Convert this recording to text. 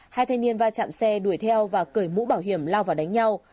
hai thanh niên va chạm xe đuổi theo và cởi mũ bảo hiểm lao vào đánh nhau